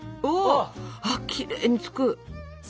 わきれいにつく。